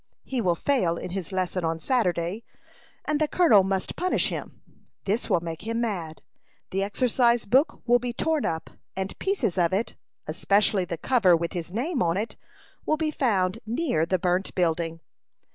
He will fail in his lesson on Saturday, and the colonel must punish him. This will make him mad. The exercise book will be torn up, and pieces of it, especially the cover with his name on it, will be found near the burnt building.